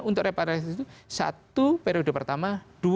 untuk repatriasi itu satu periode pertama